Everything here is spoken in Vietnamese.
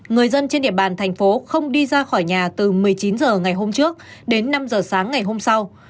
người dân trên địa bàn thành phố không đi ra khỏi nhà từ một mươi chín h ngày hôm trước đến năm h sáng ngày hôm sau